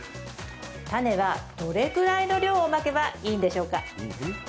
種は、どれくらいの量をまけばいいんでしょうか？